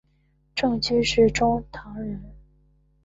郑居中是唐朝人。